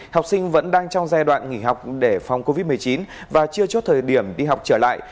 học sinh vẫn đang trong giai đoạn nghỉ học để phòng covid một mươi chín và chưa chốt thời điểm đi học trở lại